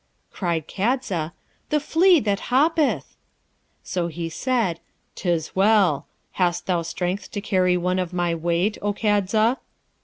Cried Kadza, 'The flea that hoppeth!' So he said, ''Tis well! Hast thou strength to carry one of my weight, O Kadza?'